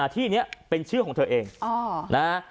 ที่นี้เป็นชื่อของเธอเองนะฮะ